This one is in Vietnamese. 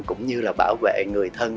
cũng như là bảo vệ người thân